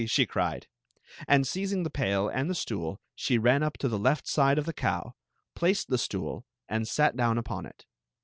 she cried; and seizing the pail and the stool, she ran up to the left side of the cow, placed the stool, and sdt 4awB if)on it.